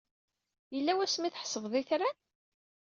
Yella wasmi ay tḥesbed itran?